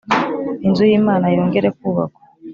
Inzu y imana yongere kubakwa